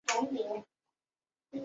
金熙宗赐萧肄通天犀带。